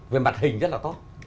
về mặt hình rất là tốt